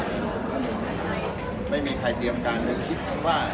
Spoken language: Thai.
มันเป็นสอบความรั้นท์ที่วางไว้อยู่ก่อนหรือเปล่า